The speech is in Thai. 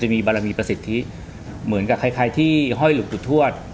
มีบารมีประสิทธิเหมือนแบบห้อยหลุดตรวด